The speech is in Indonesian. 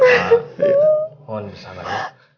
mohon bersabar ya